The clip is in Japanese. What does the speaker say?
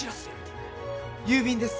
郵便です。